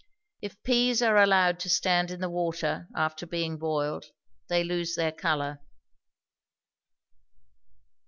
If peas are allowed to stand in the water, after being boiled, they lose their color.